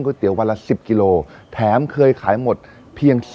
ในที่มีใต้ฑรองดุง